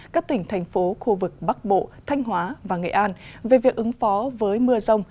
các tỉnh thành phố khu vực bắc bộ thanh hóa và nghệ an về việc ứng phó với mưa rông